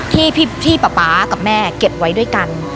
ที่พี่ป๊าป๊ากับแม่เก็บไว้ด้วยกัน